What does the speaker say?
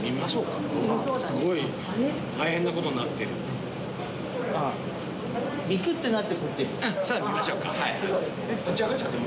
そう、見ましょうか。